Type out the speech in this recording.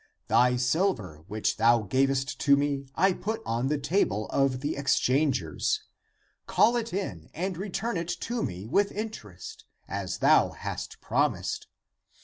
Thy silver which thou gavest to me I put on the table (of the exchangers) ;^^ call it in and return it to me with interest, as thou liast promised.